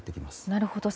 なるほど。